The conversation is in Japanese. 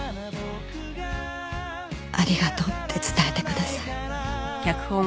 ありがとうって伝えてください。